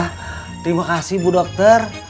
terima kasih bu dokter